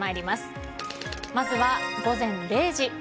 まずは午前０時。